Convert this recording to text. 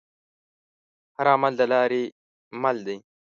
هر عمل دلارې مل دی.